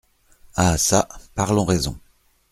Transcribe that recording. Ah ça, parlons raison.